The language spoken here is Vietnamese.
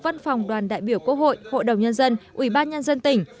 văn phòng đoàn đại biểu quốc hội hội đồng nhân dân ủy ban nhân dân tỉnh